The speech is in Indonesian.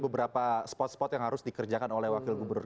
beberapa spot spot yang harus dikerjakan oleh wakil gubernur